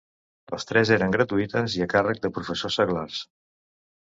Les tres eren gratuïtes i a càrrec de professors seglars.